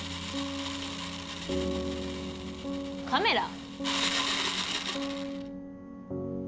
カメラ？